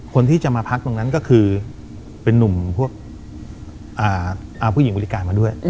คนที่จะมาพักตรงนั้นก็คือเป็นนุ่มพวกผู้หญิงบริการมาด้วย